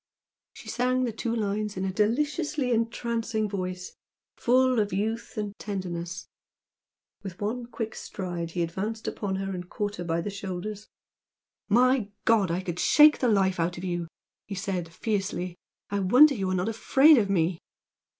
She sang the two lines in a deliciously entrancing voice, full of youth and tenderness. With one quick stride he advanced upon her and caught her by the shoulders. "My God, I could shake the life out of you!" he said, fiercely "I wonder you are not afraid of me!"